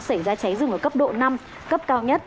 xảy ra cháy rừng ở cấp độ năm cấp cao nhất